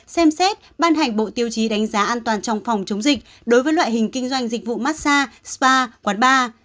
xem xét ban hành bộ tiêu chí đánh giá an toàn trong phòng chống dịch đối với loại hình kinh doanh dịch vụ massage spa quán bar